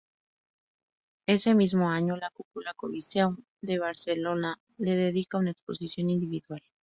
Ese mismo año, la Cúpula Coliseum de Barcelona le dedica una exposición individual.